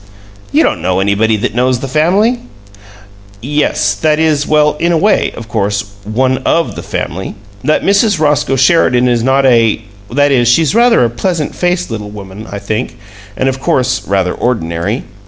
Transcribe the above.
"You don't know anybody that knows the family." "Yes. That is well, in a way, of course, one OF the family. That Mrs. Roscoe Sheridan is not a that is, she's rather a pleasant faced little woman, I think, and of course rather ordinary.